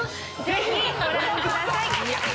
ぜひご覧ください！